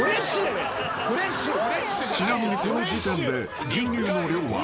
［ちなみにこの時点で］